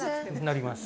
なります。